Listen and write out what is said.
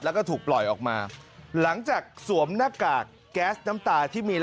แล้วก็ถูกปล่อยออกมาหลังจากสวมหน้ากากแก๊สน้ำตาที่มี